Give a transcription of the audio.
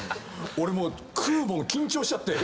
俺もう食うもん緊張しちゃって。